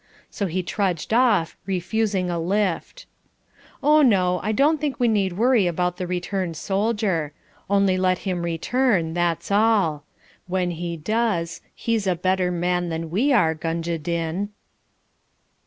So he trudged off, refusing a lift. Oh, no, I don't think we need to worry about the returned soldier. Only let him return, that's all. When he does, he's a better man than we are, Gunga Dinn.